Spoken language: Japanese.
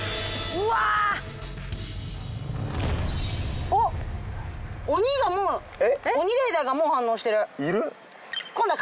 うわあっおっ鬼がもう鬼レーダーがもう反応してるいる？